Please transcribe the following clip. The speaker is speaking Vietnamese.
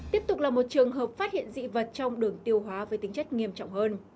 tiếp tục là một trường hợp phát hiện dị vật trong đường tiêu hóa với tính chất nghiêm trọng hơn